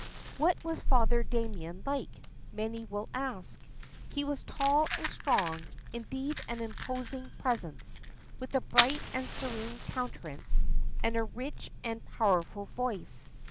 What was Father Damien like, many will ask. He was tall and strong, indeed of an imposing presence, with a bright and serene countenance and a rich and powerful voice.